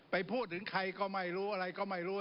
ไปพูดถึงใครก็ไม่รู้อะไรก็ไม่รู้